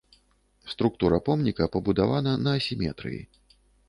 Структура помніка пабудавана на асіметрыі.